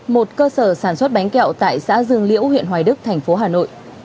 một cơ sở sản xuất bánh kẹo tại xã dương liễu huyện hoài đức thành phố hà nội